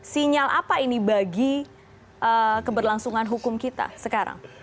sinyal apa ini bagi keberlangsungan hukum kita sekarang